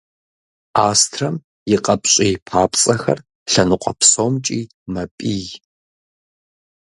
Астрэм и къапщӏий папцӏэхэр лъэныкъуэ псомкӏи мэпӏий.